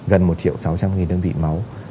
gần một triệu sáu trăm linh đơn vị máu